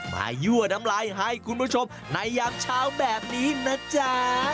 ยั่วน้ำลายให้คุณผู้ชมในยามเช้าแบบนี้นะจ๊ะ